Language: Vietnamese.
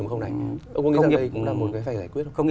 ông có nghĩ rằng đây cũng là một cái phải giải quyết không